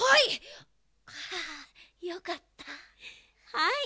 はい。